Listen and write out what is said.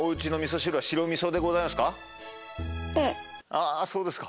あそうですか。